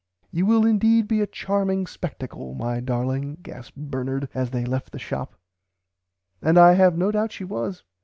"You will indeed be a charming spectacle my darling gasped Bernard as they left the shop," and I have no doubt she was.